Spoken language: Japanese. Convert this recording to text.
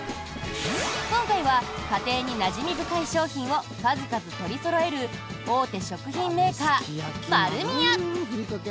今回は家庭になじみ深い商品を数々取りそろえる大手食品メーカー、丸美屋。